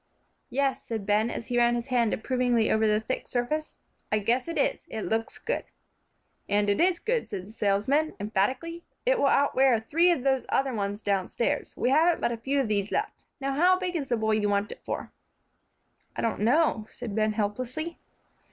"Yes," said Ben, and he ran his hand approvingly over the thick surface, "I guess it is; it looks good." "And it is good," said the salesman, emphatically; "it'll outwear three of those other ones downstairs. We haven't but a few of these left. Now, how big is the boy you want it for?" "I don't know," said Ben, helplessly.